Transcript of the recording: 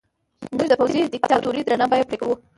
موږ د پوځي دیکتاتورۍ درنه بیه پرې کوو.